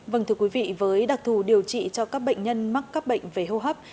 vâng thưa quý vị với đặc thù điều trị cho các bệnh nhân mắc các bệnh về hô hấp